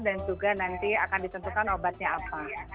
dan juga nanti akan ditentukan obatnya apa